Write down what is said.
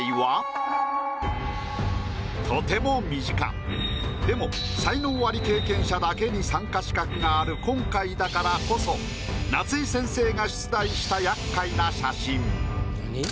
とても身近でも才能アリ経験者だけに参加資格がある今回だからこそ夏井先生が出題した厄介な写真。